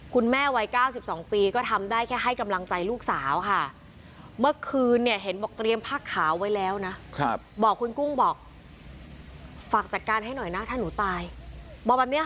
วัย๙๒ปีก็ทำได้แค่ให้กำลังใจลูกสาวค่ะเมื่อคืนเนี่ยเห็นบอกเตรียมผ้าขาวไว้แล้วนะบอกคุณกุ้งบอกฝากจัดการให้หน่อยนะถ้าหนูตายบอกแบบนี้ค่ะ